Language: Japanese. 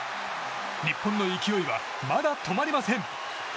日本の勢いはまだ止まりません。